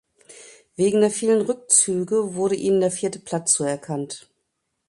Wegen der vielen Rückzüge wurden ihnen der vierte Platz zuerkannt.